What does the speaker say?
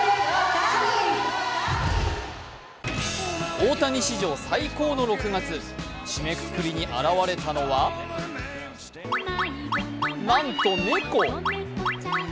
大谷史上最高の６月、締めくくりに現れたのはなんと、猫。